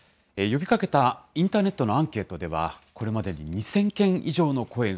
呼びかけたインターネットのアンケートでは、これまでに２０００